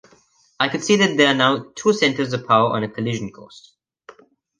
I could see that there now two centers of power on a collision course.